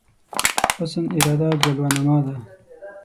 حسن اراده جلوه نما ده